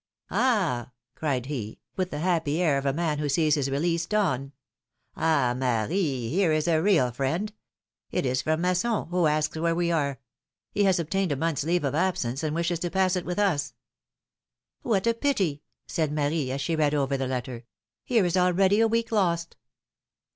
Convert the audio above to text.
'^Ah ! cried he, with the happy air of a man who sees his release dawn. ^^Ah ! Marie, here is a real friend ! It is from Masson, who asks where we are ; he has ob tained a month's leave of absence, and wishes to pass it with us.'^ What a pity !'' said Marie, as she read over the letter. Here is already a v/eek lost